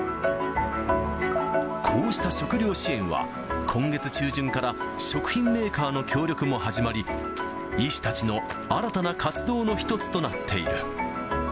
こうした食料支援は、今月中旬から、食品メーカーの協力も始まり、医師たちの新たな活動の一つとなっている。